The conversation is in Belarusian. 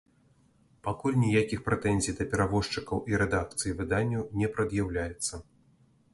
Пакуль ніякіх прэтэнзій да перавозчыкаў і рэдакцый выданняў не прад'яўляецца.